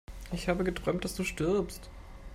Ich habe geträumt, dass du stirbst!